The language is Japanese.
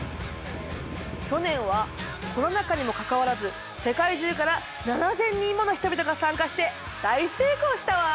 去年はコロナ禍にもかかわらず世界中から７，０００人もの人々が参加して大成功したわ！